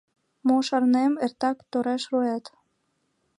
Мо шарнем, эртак тореш руэт.